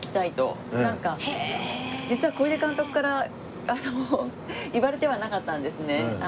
なんか実は小出監督から言われてはなかったんですね。